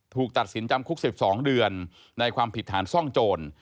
ถูกตัดสินจำคุก๑๒เดือนในความผิดฐานซ่องโจร